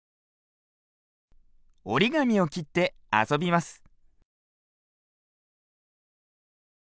おりがみをきってあそびます。